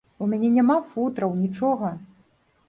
У мяне няма футраў, нічога.